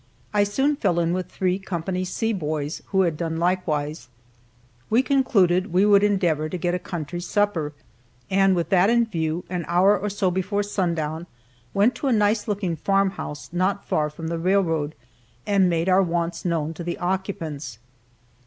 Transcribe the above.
I soon fell in with three Co. C boys, who had done likewise. We concluded we would endeavor to get a country supper, and with that in view, an hour or so before sundown went to a nice looking farm house not far from the railroad, and made our wants known to the occupants.